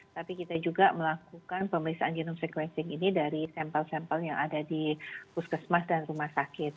tapi kita juga melakukan pemeriksaan genome sequencing ini dari sampel sampel yang ada di puskesmas dan rumah sakit